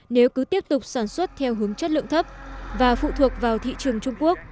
nếu cứ tiếp tục sản xuất theo hướng chất lượng thấp và phụ thuộc vào thị trường trung quốc